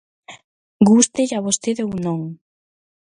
Gústelle a vostede ou non.